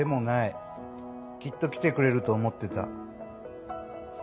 きっと来てくれると思ってた。